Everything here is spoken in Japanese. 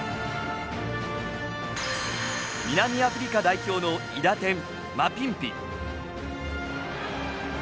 南アフリカ代表の韋駄天、マピンピ。